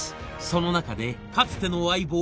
その中でかつての相棒